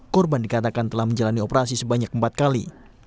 korban dikatakan telah menjalani operasi sebanyak empat kali